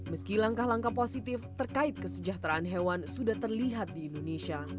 meski langkah langkah positif terkait kesejahteraan hewan sudah terlihat di indonesia